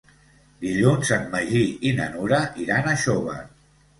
Dilluns en Magí i na Nura iran a Xóvar.